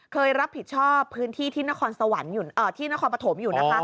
เคยรับผิดชอบพื้นที่ที่นครปฐมอยู่นะครับ